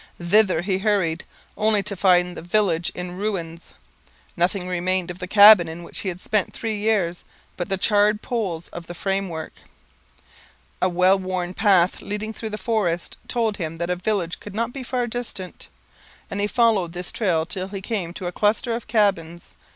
Thither he hurried, only to find the village in ruins. Nothing remained of the cabin in which he had spent three years but the charred poles of the framework. A well worn path leading through the forest told him that a village could not be far distant, and he followed this trail till he came to a cluster of cabins.